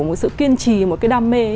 một sự kiên trì một cái đam mê ấy